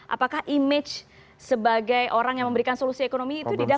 apakah image sebagai orang yang memberikan solusi ekonomi itu didapatkan